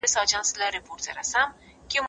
عمرونه کیږي بلبل دي غواړي